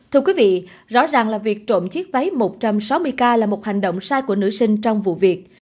thưa quý vị rõ ràng là việc trộm chiếc váy một trăm sáu mươi k là một hành động sai của nữ sinh trong vụ việc